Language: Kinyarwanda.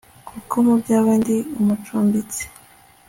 kuko mu byawe ndi umucumbitsi